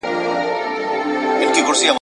هره ورځ به دي تور مار بچي څارله !.